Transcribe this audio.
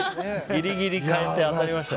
ぎりぎり変えて当たりました。